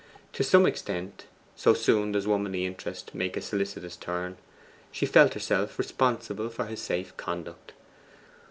To some extent so soon does womanly interest take a solicitous turn she felt herself responsible for his safe conduct.